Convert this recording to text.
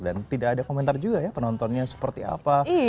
dan tidak ada komentar juga ya penontonnya seperti apa